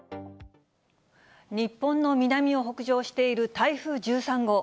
日本の南を北上している台風１３号。